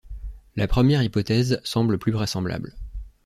La première hypothèse semble plus vraisemblable.